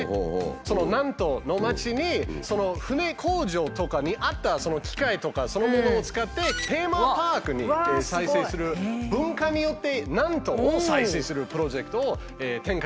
そのナントの街に船工場とかにあった機械とかそのものを使ってテーマパークに再生する文化によってナントを再生するプロジェクトを展開しましたんですね。